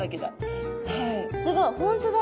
すごい本当だ。